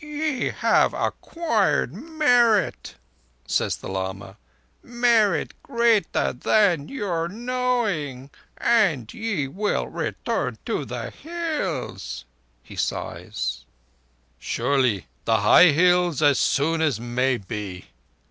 "Ye have acquired merit," says the lama. "Merit greater than your knowing. And ye will return to the Hills," he sighs. "Surely. The high Hills as soon as may be."